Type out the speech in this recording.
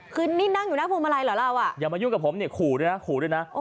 คือนี่นั่งอยู่หน้าพวงมาลัยเหรอเราอ่ะอย่ามายุ่งกับผมเนี่ยขู่ด้วยนะขู่ด้วยนะ